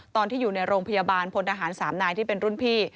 ตอนที่อยู่ในโรงพยาบาลพลทหาร๓นายที่เป็นรุ่นพี่